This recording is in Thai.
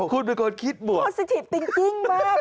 คุณเป็นคนคิดบวกพอซิทิฟต์ติ้งมากพี่ต้น